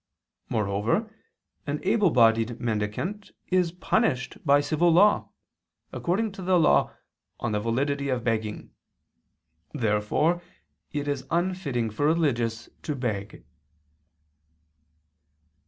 Moreover an able bodied mendicant is punished by civil law, according to the law (XI, xxvi, de Valid. Mendicant.). Therefore it is unfitting for religious to beg.